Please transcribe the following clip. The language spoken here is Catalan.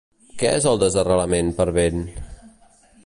Què és el desarrelament per vent?